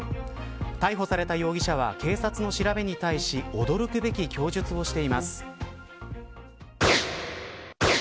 逮捕された容疑者は警察の調べに対し驚くべき供述をしています。